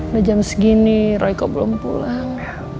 udah jam segini roy kok belum pulang